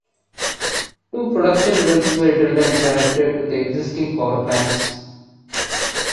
Two production wells were drilled and connected to the existing power plants.